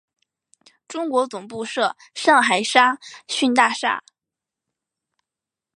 中国总部设上海沙逊大厦。